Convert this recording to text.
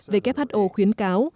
who khuyến cáo